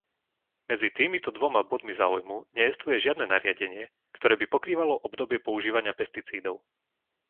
Medzi týmito dvoma bodmi záujmu nejestvuje žiadne nariadenie, ktoré by pokrývalo obdobie používania pesticídov.